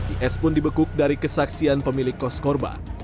is pun dibekuk dari kesaksian pemilik kos korban